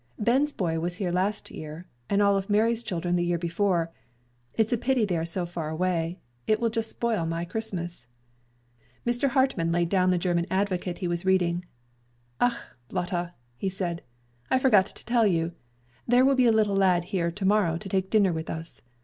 Ben's boy was here last year, and all of Mary's children the year before. It's a pity they are so far away. It will just spoil my Christmas." Mr. Hartmann laid down the German Advocate he was reading. "Ach, Lotta," he said, "I forgot to tell you. There will be a little lad here to morrow to take dinner with us.